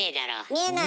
見えない。